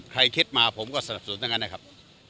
คิดมาผมก็สนับสนุนทั้งนั้นนะครับ